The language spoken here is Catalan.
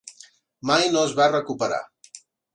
Mai no es va recuperar.